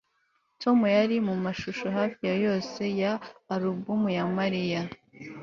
Tom yari mumashusho hafi ya yose ya alubumu ya Mariya